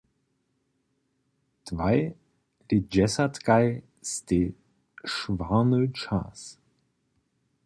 Dwaj lětdźesatkaj stej šwarny čas.